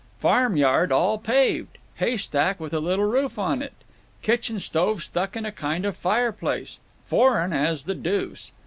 Farm yard all paved. Haystack with a little roof on it. Kitchen stove stuck in a kind of fireplace. Foreign as the deuce."